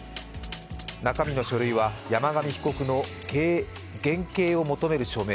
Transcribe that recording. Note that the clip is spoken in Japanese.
中身の書類は山上被告の減刑を求める署名